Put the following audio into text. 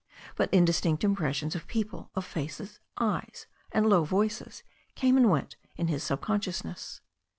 But indistinct impressions of people, of faces, eyes, and low voices came and went in his sub consciousness.